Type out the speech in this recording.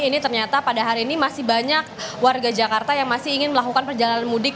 ini ternyata pada hari ini masih banyak warga jakarta yang masih ingin melakukan perjalanan mudik